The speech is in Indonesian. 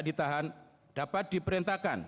ditahan dapat diperintahkan